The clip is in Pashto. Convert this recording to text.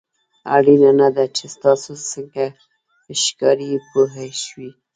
اړینه نه ده چې تاسو څنګه ښکارئ پوه شوې!.